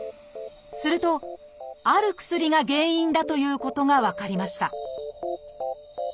するとある薬が原因だということが分かりました